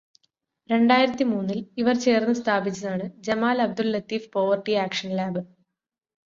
രണ്ടായിരത്തിമൂന്നിൽ ഇവർ ചേർന്ന് സ്ഥാപിച്ചതാണ് Jameel Abdul Latif poverty action lab